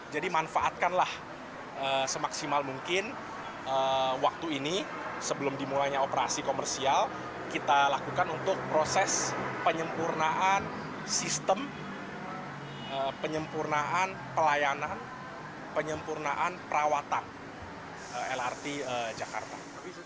jadi manfaatkanlah semaksimal mungkin waktu ini sebelum dimulainya operasi komersial kita lakukan untuk proses penyempurnaan sistem penyempurnaan pelayanan penyempurnaan perawatan lrt jakarta